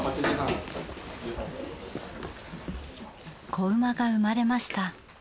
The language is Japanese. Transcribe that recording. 子馬が産まれました。